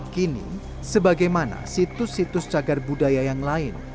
kini sebagaimana situs situs cagar budaya yang lain